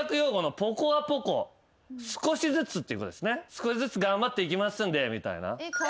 「少しずつ頑張っていきますんで」みたいな。